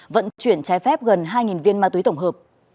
vận chuyển trái phép gần hai viên ma túy tổng hợp